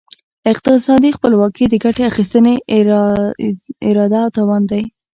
اقتصادي خپلواکي د ګټې اخیستني اراده او توان دی.